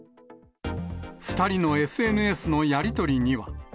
２人のＳＮＳのやり取りには。